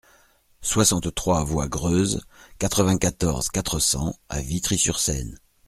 soixante-trois voie Greuze, quatre-vingt-quatorze, quatre cents à Vitry-sur-Seine